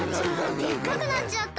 でっかくなっちゃった！